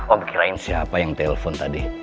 om kirain siapa yang telepon tadi